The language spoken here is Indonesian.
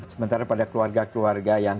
sementara pada keluarga keluarga yang